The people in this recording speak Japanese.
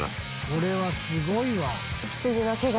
これはすごいわ。